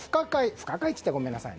不可解と言ってはごめんなさい。